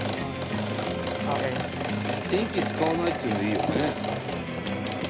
電気使わないっていうのいいよね。